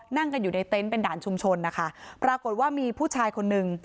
นั่งกันอยู่ในเต็นต์เป็นด่านชุมชนนะคะปรากฏว่ามีผู้ชายคนนึง